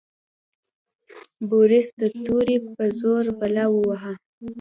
بوریس د تورې په زور بلا وواهه.